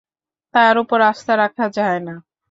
তার উপর আস্থা রাখা যায় না।